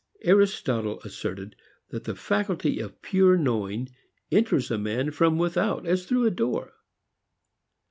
Aristotle asserted that the faculty of pure knowing enters a man from without as through a door.